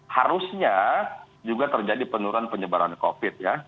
harusnya juga terjadi penurunan penyebaran covid sembilan belas